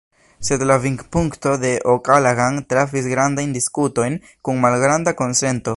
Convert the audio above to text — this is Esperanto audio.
Sed la vidpunkto de O’Callaghan trafis grandajn diskutojn kun malgranda konsento.